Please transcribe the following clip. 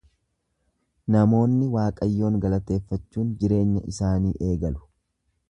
Namoonni Waaqayyoon galateeffachuun jireenya isaanii eegalu.